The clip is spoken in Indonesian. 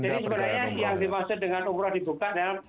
jadi sebenarnya yang dimaksud dengan umrah dibuka